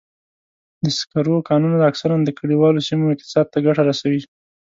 د سکرو کانونه اکثراً د کلیوالو سیمو اقتصاد ته ګټه رسوي.